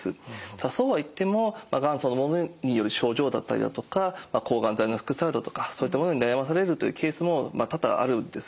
ただそうはいってもがんそのものによる症状だったりだとか抗がん剤の副作用だとかそういったものに悩まされるというケースも多々あるんですね。